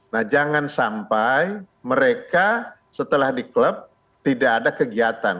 nah jangan sampai mereka setelah di klub tidak ada kegiatan